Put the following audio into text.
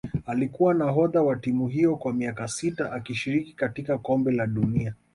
Alikuwa nahodha wa timu hiyo kwa miaka sita akishiriki katika kombe la dunia